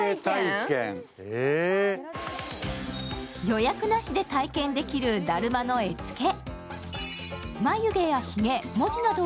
予約なしで体験できるだるまの絵付け。